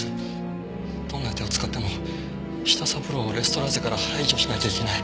どんな手を使っても舌三郎をレストラーゼから排除しなきゃいけない。